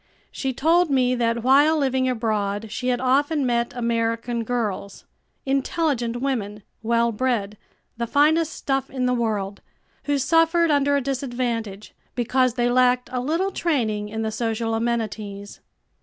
She told me that while living abroad she had often met American girls intelligent women, well bred, the finest stuff in the world who suffered under a disadvantage, because they lacked a little training in the social amenities.